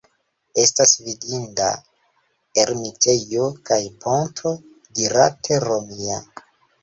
Estas vidinda ermitejo kaj ponto dirate romia.